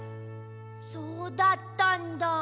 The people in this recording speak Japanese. そうだったんだ。